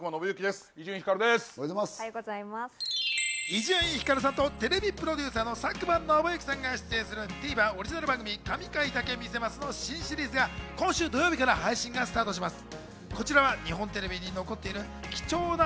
伊集院光さんとテレビプロデューサーの佐久間宣行さんが出演する、ＴＶｅｒオリジナル番組『神回だけ見せます！』の新シリーズが今週土曜日から配信スタートします。